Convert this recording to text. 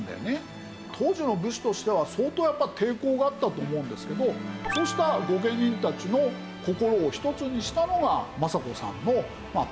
当時の武士としては相当やっぱり抵抗があったと思うんですけどそうした御家人たちの心を一つにしたのが政子さんのパワーだったという事になるわけです。